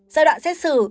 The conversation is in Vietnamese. giai đoạn xét xử